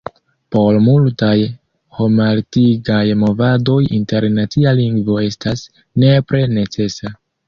Por multaj homaltigaj movadoj internacia lingvo estas nepre necesa.